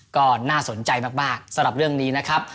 ก็น่าสนใจมากสำหรับเรื่องนี้นะครับ